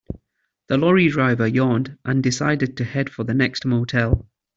The lorry driver yawned and decided to head for the next motel.